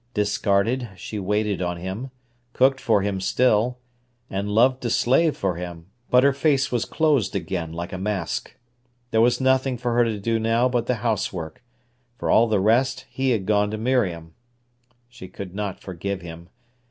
Discarded, she waited on him, cooked for him still, and loved to slave for him; but her face closed again like a mask. There was nothing for her to do now but the housework; for all the rest he had gone to Miriam. She could not forgive him.